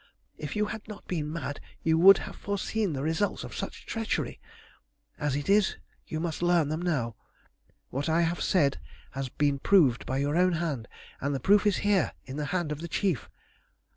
"If you had not been mad you would have foreseen the results of such treachery. As it is you must learn them now. What I have said has been proved by your own hand, and the proof is here in the hand of the Chief.